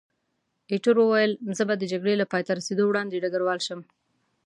ایټور وویل، زه به د جګړې له پایته رسېدو وړاندې ډګروال شم.